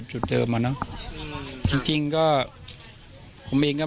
แล้วอันนี้ก็เปิดแล้ว